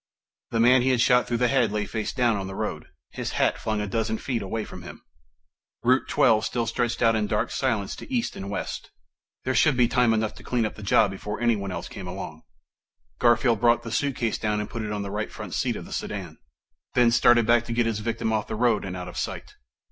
The man he had shot through the head lay face down on the road, his hat flung a dozen feet away from him. Route Twelve still stretched out in dark silence to east and west. There should be time enough to clean up the job before anyone else came along. Garfield brought the suitcase down and put it on the front seat of the sedan, then started back to get his victim off the road and out of sight.